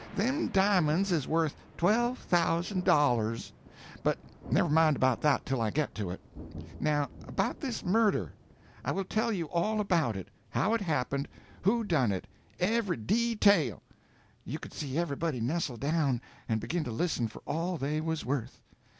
Them di'monds is worth twelve thousand dollars. But never mind about that till I get to it. Now about this murder. I will tell you all about it—how it happened—who done it—every _de_tail." You could see everybody nestle now, and begin to listen for all they was worth.